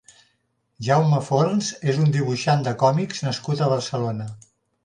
Jaime Forns és un dibuixant de còmics nascut a Barcelona.